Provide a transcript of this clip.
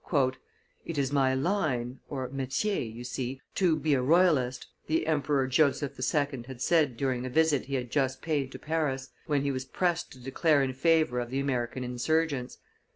"It is my line (metier), you see, to be a royalist," the Emperor Joseph II. had said during a visit he had just paid to Paris, when he was pressed to declare in favor of the American insurgents.